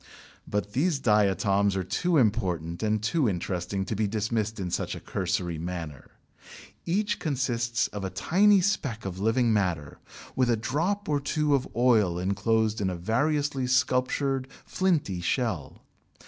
But these diatoms are too important and too interesting to be dismissed in such a cursory manner. Each consists of a tiny speck of living matter with a drop or two of oil enclosed in a variously sculptured flinty shell.